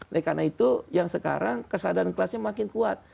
oleh karena itu yang sekarang kesadaran kelasnya makin kuat